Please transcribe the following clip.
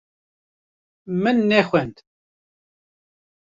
Min nexwend.